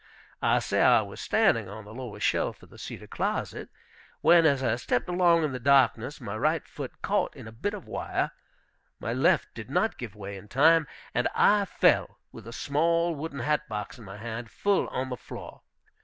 I say I was standing on the lower shelf of the cedar closet, when, as I stepped along in the darkness, my right foot caught in a bit of wire, my left did not give way in time, and I fell, with a small wooden hat box in my hand, full on the floor.